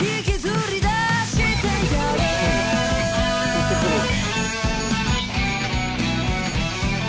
行ってくるよ。